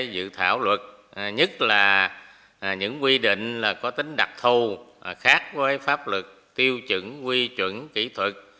dự thảo luật nhất là những quy định có tính đặc thù khác với pháp luật tiêu chuẩn quy chuẩn kỹ thuật